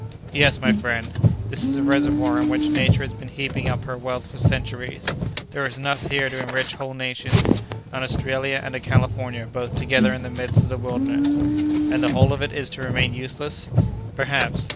"Yes, my friend, this is a reservoir in which Nature has been heaping up her wealth for centuries! There is enough here to enrich whole nations! An Australia and a California both together in the midst of the wilderness!" "And the whole of it is to remain useless!" "Perhaps!